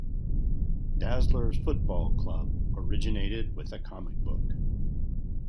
Dazzlers Football Club originated with a comic book.